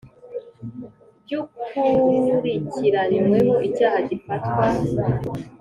Ry ukurikiranyweho icyaha gifatwa